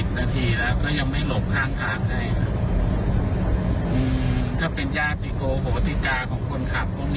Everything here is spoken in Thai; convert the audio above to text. ถ้าเป็นยากจิโกโหสิจาของคนขับตรงนี้